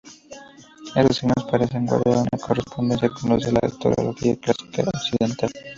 Estos signos parecen guardar una correspondencia con los de la astrología clásica occidental.